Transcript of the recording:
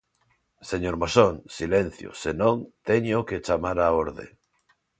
Señor Moxón, silencio, se non, téñoo que chamar á orde.